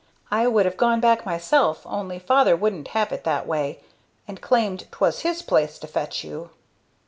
I would have gone back myself, only father wouldn't have it that way, and claimed 'twas his place to fetch you."